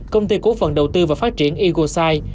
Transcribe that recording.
công ty cổ phần đầu tư và phát triển igosai